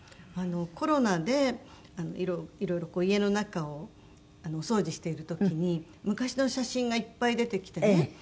コロナでいろいろこう家の中をお掃除している時に昔の写真がいっぱい出てきてね。